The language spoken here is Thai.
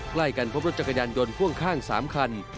ใกล้กันพบรถจักรยานยนต์พ่วงข้าง๓คัน